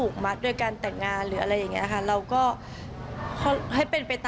ขวัญมีหลานก็เล่นหลานได้